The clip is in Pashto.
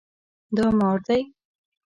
دا مار دی